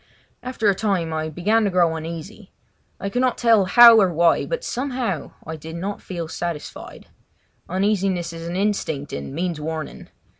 After a time I began to grow uneasy. I could not tell how or why, but somehow I did not feel satisfied. Uneasiness is an instinct and means warning.